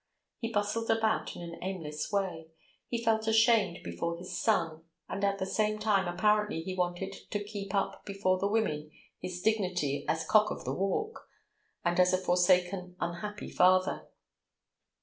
He bustled about in an aimless way. He felt ashamed before his son, and at the same time apparently he wanted to keep up before the women his dignity as cock of the walk, and as a forsaken, unhappy father.